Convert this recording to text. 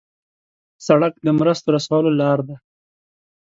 سړک د مرستو رسولو لار ده.